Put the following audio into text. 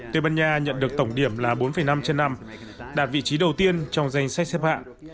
tây ban nha nhận được tổng điểm là bốn năm trên năm đạt vị trí đầu tiên trong danh sách xếp hạng